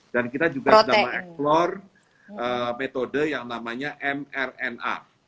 dan kita juga sedang mengeksplor metode yang namanya mrna